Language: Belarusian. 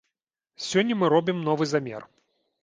Сёння мы робім новы замер.